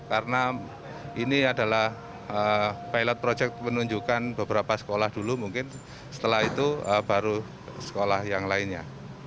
karena ini adalah pilot project menunjukkan beberapa sekolah dulu mungkin setelah itu baru sekolah yang lainnya